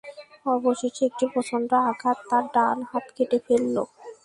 অবশেষে একটি প্রচণ্ড আঘাত তার ডান হাত কেটে ফেলল।